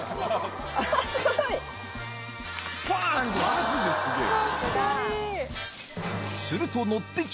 マジですげぇわ。